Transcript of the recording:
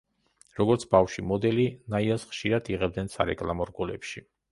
როგორც ბავშვი მოდელი, ნაიას ხშირად იღებდნენ სარეკლამო რგოლებში.